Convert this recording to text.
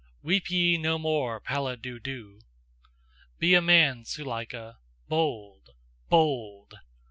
Weep ye no more, Pallid Dudu! Be a man, Suleika! Bold! Bold!